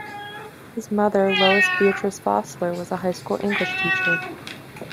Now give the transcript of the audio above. His mother, Lois Beatrice Fossler, was a high school English teacher.